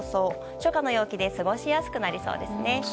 初夏の陽気で過ごしやすくなりそうですね。